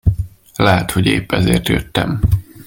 Lehet, hogy épp ezért jöttem.